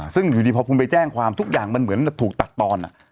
ซึ่งอยู่ดีพอคุณไปแจ้งความทุกอย่างมันเหมือนถูกตัดตอน